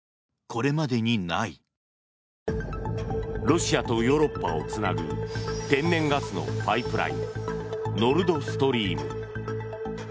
ロシアとヨーロッパをつなぐ天然ガスのパイプラインノルドストリーム。